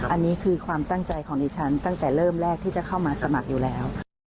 อันนี้คือความตั้งใจของดิฉันตั้งแต่เริ่มแรกที่จะเข้ามาสมัครอยู่แล้ว